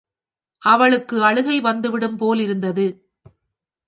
அவளுக்கு அழுகை வந்துவிடும் போலிருந்தது.